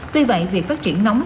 tuy vậy việc phát triển nóng